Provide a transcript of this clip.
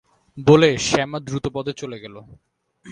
বলে শ্যামা দ্রুতপদে চলে গেল।